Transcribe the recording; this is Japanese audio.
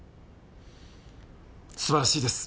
素晴らしいです。